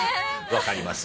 わかります。